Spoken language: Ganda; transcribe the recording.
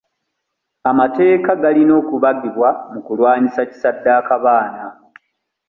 Amateeka galina okubagibwa mu kulwanyisa kisaddaaka baana.